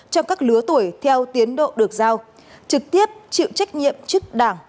trong các lứa tuổi theo tiến độ được giao trực tiếp chịu trách nhiệm trước đảng